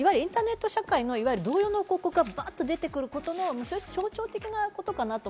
インターネット社会の同様の広告がバンと出てくることも象徴的なことかなと。